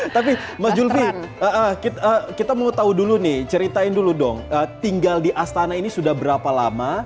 tapi mas julvi kita mau tahu dulu nih ceritain dulu dong tinggal di astana ini sudah berapa lama